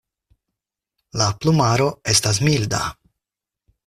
La plumaro estas milda.